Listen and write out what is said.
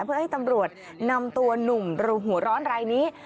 เพื่อให้ตำรวจนำตัวหนุ่มหัวร้อนรายนี้